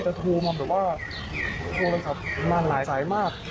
โทรมาแบบว่าโทรศัพท์มาหลายสายมาก